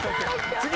次！